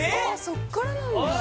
そっからなんだ